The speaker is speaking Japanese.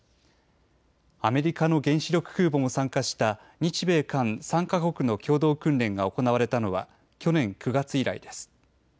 アメリカの原子力空母も参加した日米韓３か国の共同訓練が行われたのは去年９月以来です。